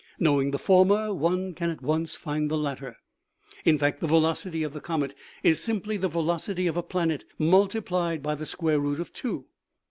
Knowing the former one can at once find the latter. In fact the velocity of the comet is simply the velocity of a planet multiplied by the square root of two.